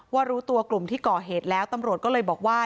ว่ารู้ตัวกลุ่มที่ก่อเหตุแล้วตำรวจก็เลยบอกว่า